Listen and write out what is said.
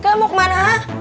kalian mau kemana